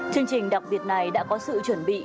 chương trình đặc biệt này đã có sự chuẩn bị